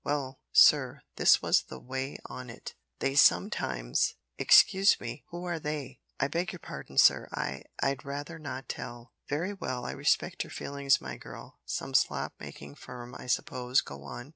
Well, sir, this was the way on it. They sometimes " "Excuse me who are `they'?" "I beg pardon, sir, I I'd rather not tell." "Very well. I respect your feelings, my girl. Some slop making firm, I suppose. Go on."